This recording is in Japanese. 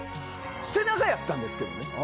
背中やったんですけどね。